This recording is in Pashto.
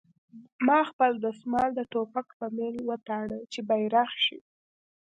ما خپل دسمال د ټوپک په میل وتاړه چې بیرغ شي